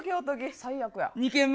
最悪や。